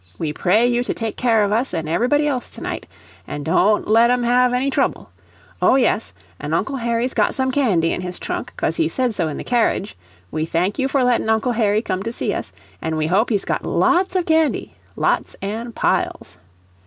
We pray you to take care of us an' everybody else to night, an' don't let 'em have any trouble. Oh, yes, an' Uncle Harry's got some candy in his trunk, cos he said so in the carriage, we thank you for lettin' Uncle Harry come to see us, an' we hope he's got LOTS of candy lots an' piles.